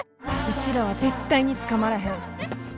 うちらは絶対に捕まらへん。